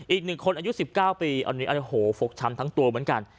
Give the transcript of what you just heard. อีกหนึ่งคนอายุ๑๙ปีอันนี้โหฟกช้ำทั้งตัวเหมือนกัน